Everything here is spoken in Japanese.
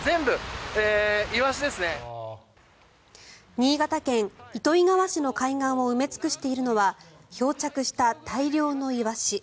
新潟県糸魚川市の海岸を埋め尽くしているのは漂着した大量のイワシ。